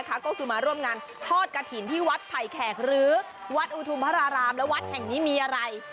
ก็คือมาร่วมงานทอดกระถิ่นที่วัดไผ่แขกหรือวัดอุทุมพระรารามและวัดแห่งนี้มีอะไร